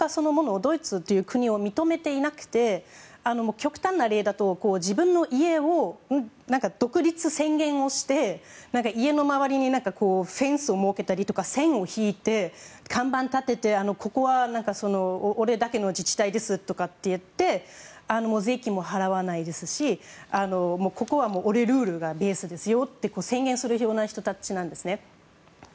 ドイツという国を認めていなくて極端な例だと自分の家を独立宣言をして家の周りにフェンスを設けたりとか線を引いて看板を立ててここは俺だけの自治体ですとか言って税金も払わないですしここは俺ルールがベースですよと宣言するような人たちなんですね。